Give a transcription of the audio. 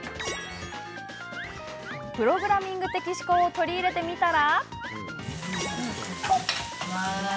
プログラミング的思考を取り入れてみたら。